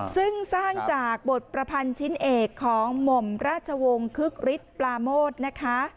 ซึ่งสร้างจากบทประพันธ์ชิ้นเอกของหม่อมราชวงศ์คึกฤทธิ์ปลาโมดนะคะ